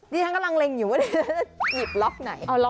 ดิฉันกำลังเล็งอยู่ว่าดิฉันจะหยิบล็อกไหน